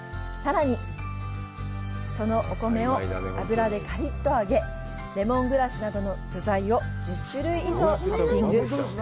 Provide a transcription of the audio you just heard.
そのお米を油でカリっと揚げ、レモングラス等の具材を１０種類以上トッピング。